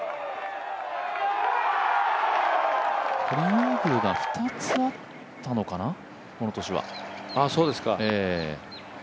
イーグルが２つあったのかな、この年は。